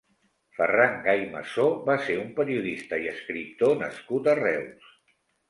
Ferran Gay Massó va ser un periodista i escriptor nascut a Reus.